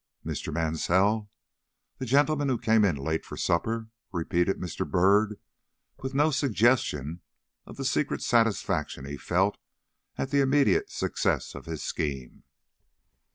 "Mr. Mansell? the gentleman who came in late to supper?" repeated Mr. Byrd, with no suggestion of the secret satisfaction he felt at the immediate success of his scheme.